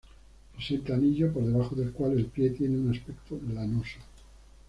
Presenta anillo, por debajo del cual el pie tiene un aspecto lanoso.